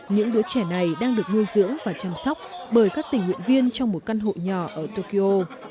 những đứa trẻ này đang được nuôi dưỡng và chăm sóc bởi các tình nguyện viên trong một căn hộ nhỏ ở tokyo